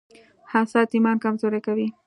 حسد ایمان کمزوری کوي.